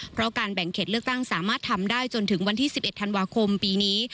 เพราะการแบ่งเขตเลือกตั้งสามารถทำได้จนถึงวันที่๑๑ธันวาคมปีนี้